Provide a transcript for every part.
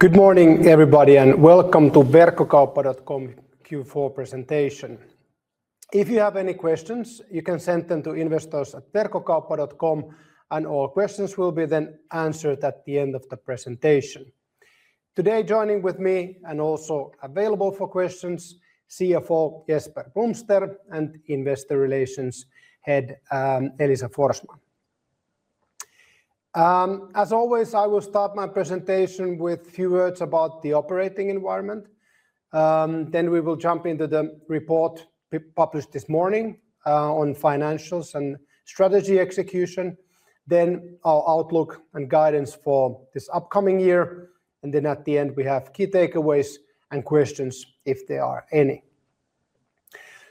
Good morning, everybody, and welcome to Verkkokauppa.com Q4 presentation. If you have any questions, you can send them to investors@verkkokauppa.com, and all questions will be then answered at the end of the presentation. Today, joining with me and also available for questions, CFO Jesper Blomster and Investor Relations Head, Elisa Forsman. As always, I will start my presentation with a few words about the operating environment, then we will jump into the report published this morning, on financials and strategy execution, then our outlook and guidance for this upcoming year, and then at the end, we have key takeaways and questions, if there are any.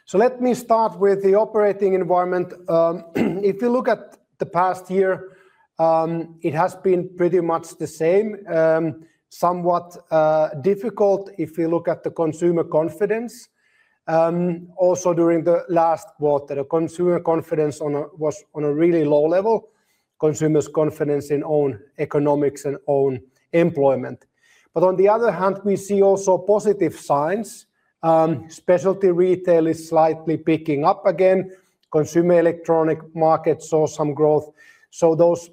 So let me start with the operating environment. If you look at the past year, it has been pretty much the same, somewhat difficult if you look at the consumer confidence. Also, during the last quarter, the consumer confidence was on a really low level, consumers' confidence in own economics and own employment. But on the other hand, we see also positive signs. Specialty retail is slightly picking up again. Consumer electronics market saw some growth, so those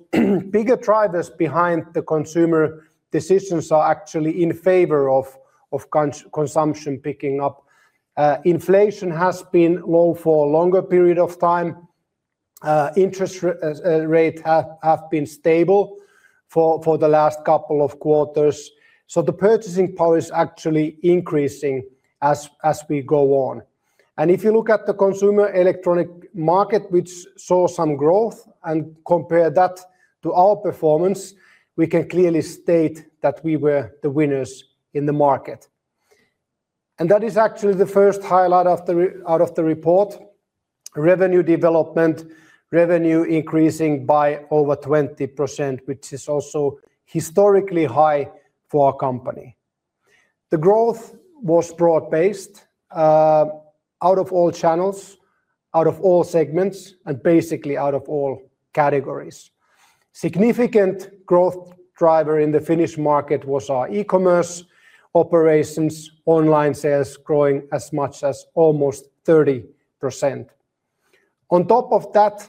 bigger drivers behind the consumer decisions are actually in favor of consumption picking up. Inflation has been low for a longer period of time. Interest rates have been stable for the last couple of quarters, so the purchasing power is actually increasing as we go on. And if you look at the consumer electronics market, which saw some growth, and compare that to our performance, we can clearly state that we were the winners in the market. That is actually the first highlight of the readout of the report, revenue development, revenue increasing by over 20%, which is also historically high for our company. The growth was broad-based, out of all channels, out of all segments, and basically out of all categories. Significant growth driver in the Finnish market was our e-commerce operations, online sales growing as much as almost 30%. On top of that,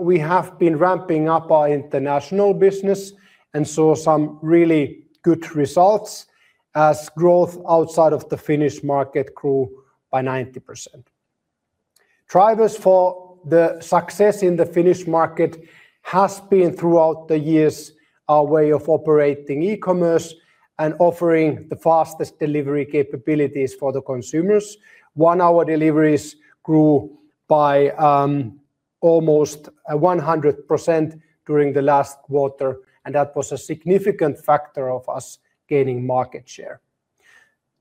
we have been ramping up our international business and saw some really good results as growth outside of the Finnish market grew by 90%. Drivers for the success in the Finnish market has been, throughout the years, our way of operating e-commerce and offering the fastest delivery capabilities for the consumers. One-hour deliveries grew by almost 100% during the last quarter, and that was a significant factor of us gaining market share.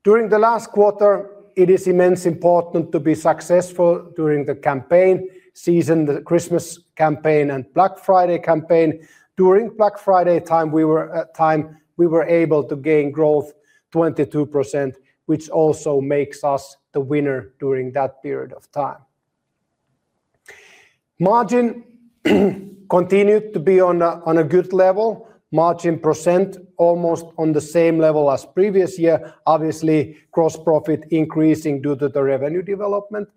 During the last quarter, it is immensely important to be successful during the campaign season, the Christmas campaign and Black Friday campaign. During Black Friday time, we were able to gain growth 22%, which also makes us the winner during that period of time. Margin continued to be on a good level, margin percent almost on the same level as previous year. Obviously, gross profit increasing due to the revenue development.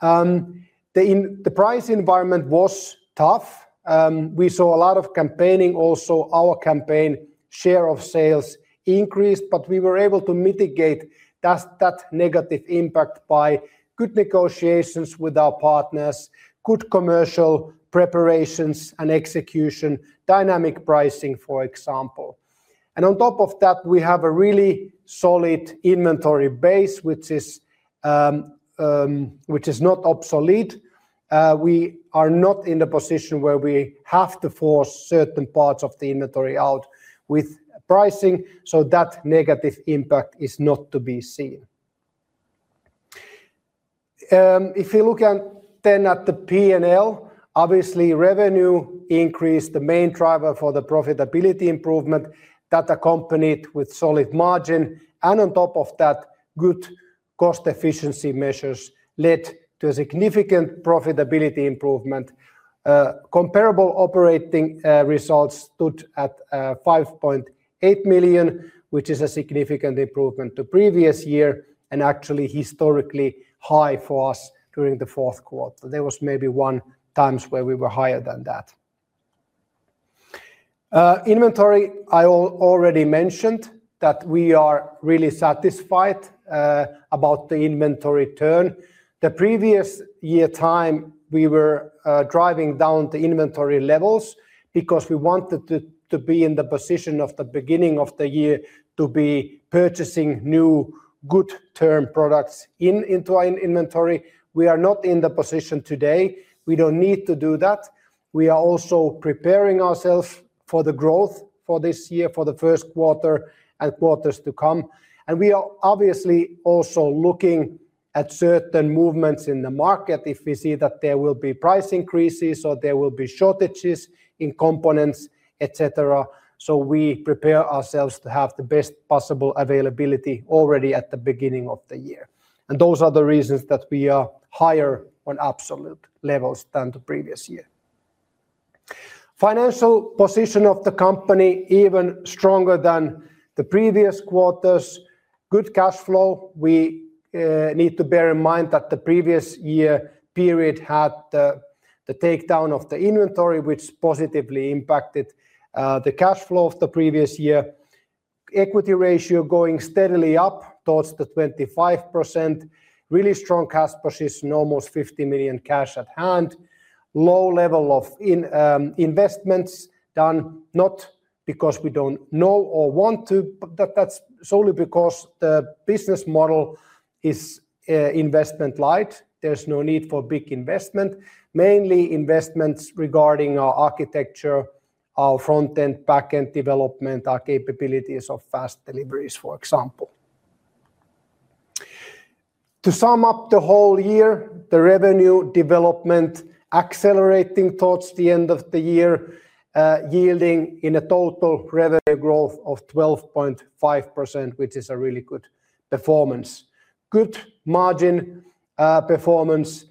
The price environment was tough. We saw a lot of campaigning. Also, our campaign share of sales increased, but we were able to mitigate that negative impact by good negotiations with our partners, good commercial preparations and execution, dynamic pricing, for example. And on top of that, we have a really solid inventory base, which is not obsolete. We are not in a position where we have to force certain parts of the inventory out with pricing, so that negative impact is not to be seen. If you look at then at the P&L, obviously revenue increased, the main driver for the profitability improvement that accompanied with solid margin, and on top of that, good cost efficiency measures led to a significant profitability improvement. Comparable operating results stood at 5.8 million, which is a significant improvement to previous year and actually historically high for us during the fourth quarter. There was maybe one times where we were higher than that. Inventory, I already mentioned that we are really satisfied about the inventory turn. The previous year time, we were driving down the inventory levels because we wanted to be in the position of the beginning of the year to be purchasing new good turn products into our inventory. We are not in the position today. We don't need to do that. We are also preparing ourselves for the growth for this year, for the first quarter and quarters to come, and we are obviously also looking at certain movements in the market. If we see that there will be price increases or there will be shortages in components, et cetera, so we prepare ourselves to have the best possible availability already at the beginning of the year. And those are the reasons that we are higher on absolute levels than the previous year. Financial position of the company even stronger than the previous quarters. Good cash flow. We need to bear in mind that the previous year period had the takedown of the inventory, which positively impacted the cash flow of the previous year. Equity ratio going steadily up towards the 25%. Really strong cash position, almost 50 million cash at hand. Low level of investments done not because we don't know or want to, but that's solely because the business model is investment light. There's no need for big investment. Mainly investments regarding our architecture, our front-end, back-end development, our capabilities of fast deliveries, for example. To sum up the whole year, the revenue development accelerating towards the end of the year, yielding in a total revenue growth of 12.5%, which is a really good performance. Good margin performance,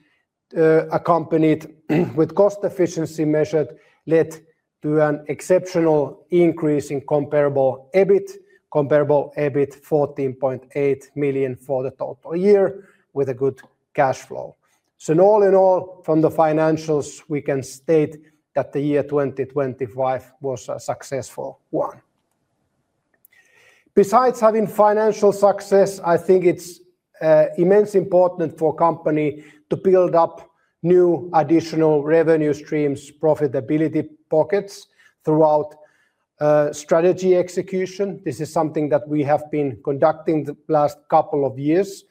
accompanied with cost efficiency measured led to an exceptional increase in comparable EBIT, comparable EBIT 14.8 million for the total year with a good cash flow. So in all in all, from the financials, we can state that the year 2025 was a successful one. Besides having financial success, I think it's immensely important for a company to build up new additional revenue streams, profitability pockets throughout strategy execution. This is something that we have been conducting the last couple of years.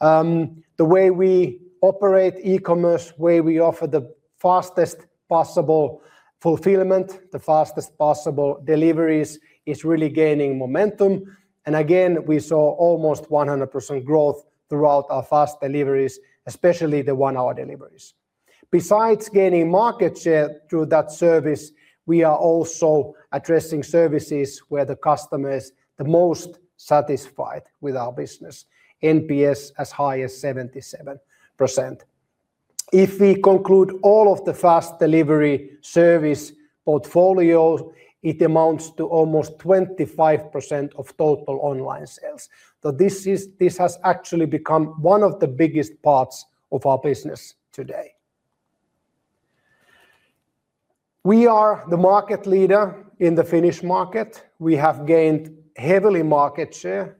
The way we operate e-commerce, where we offer the fastest possible fulfillment, the fastest possible deliveries, is really gaining momentum. And again, we saw almost 100% growth throughout our fast deliveries, especially the one-hour deliveries. Besides gaining market share through that service, we are also addressing services where the customer is the most satisfied with our business. NPS as high as 77%. If we conclude all of the fast delivery service portfolio, it amounts to almost 25% of total online sales. So this is—this has actually become one of the biggest parts of our business today. We are the market leader in the Finnish market. We have gained heavily market share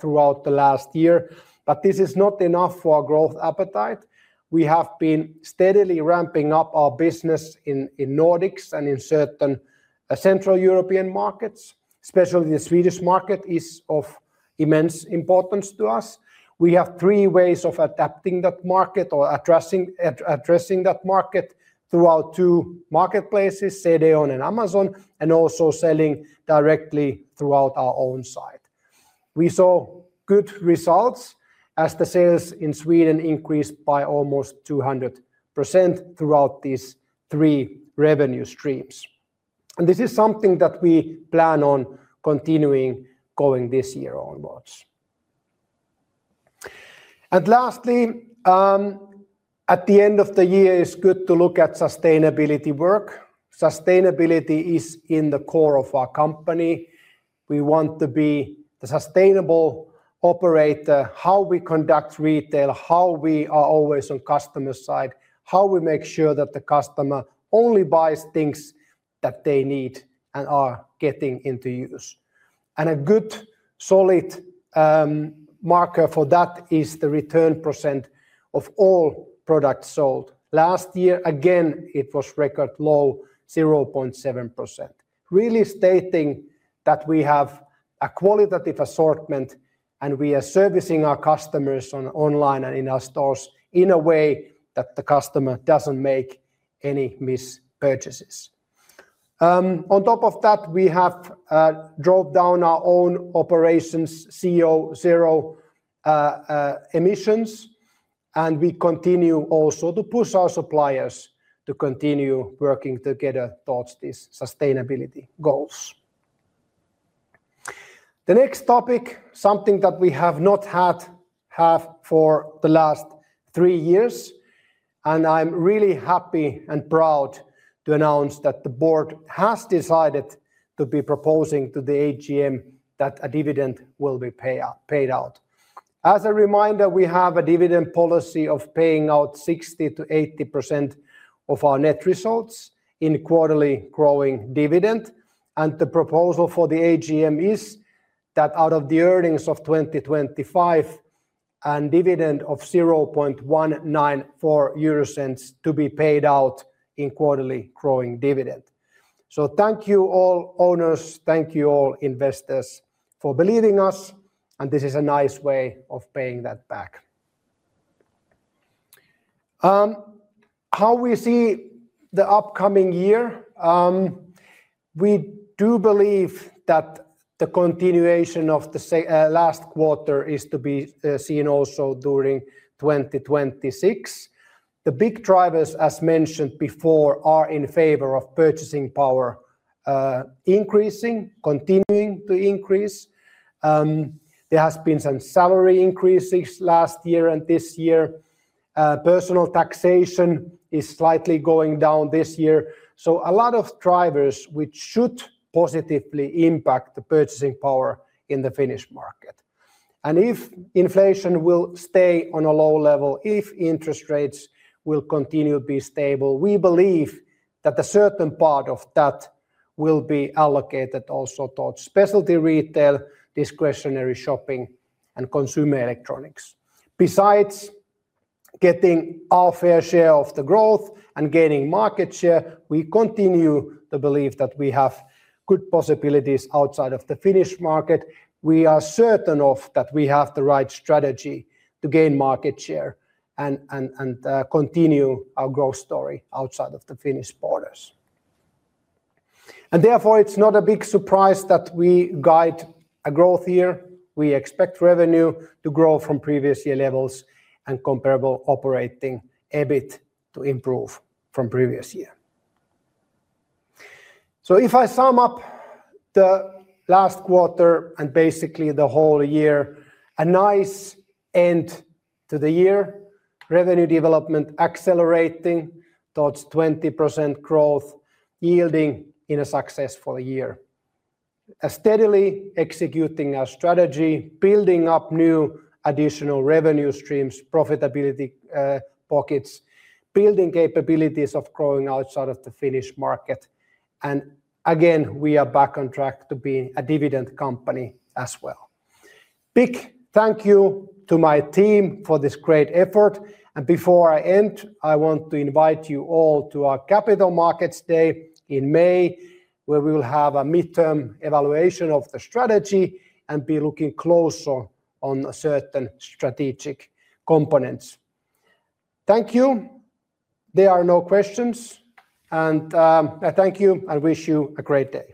throughout the last year, but this is not enough for our growth appetite. We have been steadily ramping up our business in Nordics and in certain Central European markets. Especially the Swedish market is of immense importance to us. We have three ways of adapting that market or addressing that market throughout two marketplaces, CDON and Amazon, and also selling directly throughout our own site. We saw good results as the sales in Sweden increased by almost 200% throughout these three revenue streams. This is something that we plan on continuing going this year onwards. And lastly, at the end of the year, it's good to look at sustainability work. Sustainability is in the core of our company. We want to be the sustainable operator, how we conduct retail, how we are always on customer side, how we make sure that the customer only buys things that they need and are getting into use. And a good solid marker for that is the return percent of all products sold. Last year, again, it was record low, 0.7%. Really stating that we have a qualitative assortment, and we are servicing our customers on online and in our stores in a way that the customer doesn't make any mispurchases. On top of that, we have dropped down our own operations CO2 zero emissions, and we continue also to push our suppliers to continue working together towards these sustainability goals. The next topic, something that we have not had for the last three years, and I'm really happy and proud to announce that the board has decided to be proposing to the AGM that a dividend will be paid out. As a reminder, we have a dividend policy of paying out 60%-80% of our net results in quarterly growing dividend, and the proposal for the AGM is that out of the earnings of 2025, a dividend of 0.194 to be paid out in quarterly growing dividend. So thank you, all owners, thank you, all investors, for believing us, and this is a nice way of paying that back. How we see the upcoming year? We do believe that the continuation of the same last quarter is to be seen also during 2026. The big drivers, as mentioned before, are in favor of purchasing power increasing, continuing to increase. There has been some salary increases last year and this year. Personal taxation is slightly going down this year. So a lot of drivers, which should positively impact the purchasing power in the Finnish market. And if inflation will stay on a low level, if interest rates will continue to be stable, we believe that a certain part of that will be allocated also towards specialty retail, discretionary shopping, and consumer electronics. Besides getting our fair share of the growth and gaining market share, we continue to believe that we have good possibilities outside of the Finnish market. We are certain of that we have the right strategy to gain market share and continue our growth story outside of the Finnish borders. And therefore, it's not a big surprise that we guide a growth year. We expect revenue to grow from previous year levels and comparable operating EBIT to improve from previous year. So if I sum up the last quarter and basically the whole year, a nice end to the year, revenue development accelerating towards 20% growth, yielding in a successful year. Steadily executing our strategy, building up new additional revenue streams, profitability pockets, building capabilities of growing outside of the Finnish market. Again, we are back on track to being a dividend company as well. Big thank you to my team for this great effort, and before I end, I want to invite you all to our Capital Markets Day in May, where we will have a midterm evaluation of the strategy and be looking closer on certain strategic components. Thank you. There are no questions, and I thank you and wish you a great day!